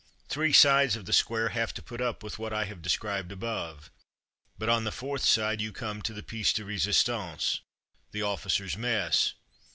Three sides of the square have to put up with what I have described above, but on the fourth side you come to the piece de resistance — z. ^., the officers' mess.